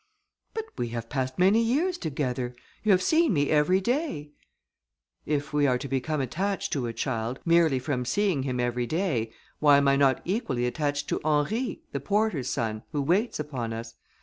"But we have passed many years together. You have seen me every day." "If we are to become attached to a child, merely from seeing him every day, why am I not equally attached to Henry, the porter's son, who waits upon us?